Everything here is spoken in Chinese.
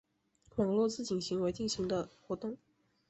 网络自警行为进行的活动。